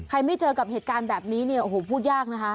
ไม่เจอกับเหตุการณ์แบบนี้เนี่ยโอ้โหพูดยากนะคะ